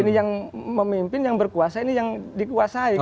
ini yang memimpin yang berkuasa ini yang dikuasai